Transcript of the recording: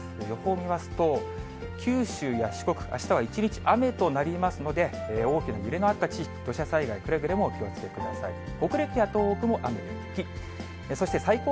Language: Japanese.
予報を見ますと、九州や四国、あしたは一日、雨となりますので、大きな揺れがあった地域、土砂災害、くれぐれもお気をつけください。